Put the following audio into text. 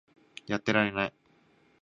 やってられない